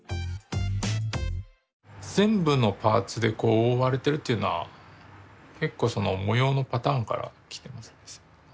全部のパーツでこう覆われてるっていうのは結構その模様のパターンから来てますね。